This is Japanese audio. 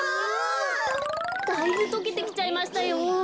だいぶとけてきちゃいましたよ。